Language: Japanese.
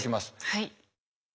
はい。